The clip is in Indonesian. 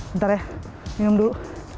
bentar ya minum dulu